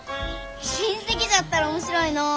親戚じゃったら面白いのう！